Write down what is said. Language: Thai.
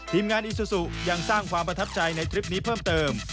ทีมงานอีซูซูยังสร้างความประทับใจในทริปนี้เพิ่มเติม